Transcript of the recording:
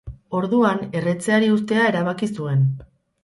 Orduan, erretzeari uztea erabaki zuen.